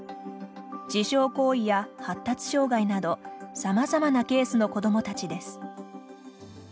自傷行為や発達障害などさまざまなケースの子どもたちです。